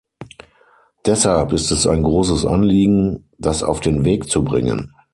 Deshalb ist es ein großes Anliegen, das auf den Weg zu bringen.